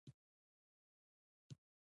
ورته کار ګټور دی.